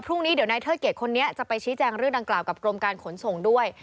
พรุ่งนี้เดี๋ยวนายเทิดเกียจคนนี้จะไปชี้แจงเรื่องดังกล่าวกับกรมการขนส่งด้วย